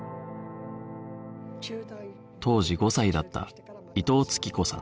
当時５歳だった伊藤津紀子さん